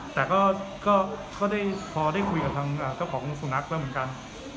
แต่ก็ได้พอได้คุยกับทางเจ้าของสุนัขแล้วเหมือนกัน